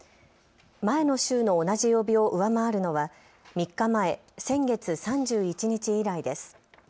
前の週の同じ曜日を上回るのは３日前、先月３１日以来です。